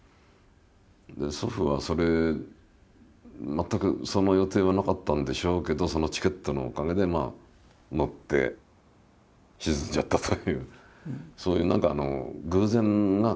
で祖父はそれ全くその予定はなかったんでしょうけどそのチケットのおかげで乗って沈んじゃったという。